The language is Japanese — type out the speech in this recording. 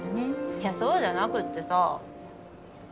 いやそうじゃなくってさ。